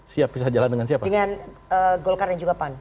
siap bisa jalan dengan siap dengan golkar dan juga pan